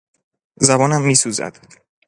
زبانم میسوزد.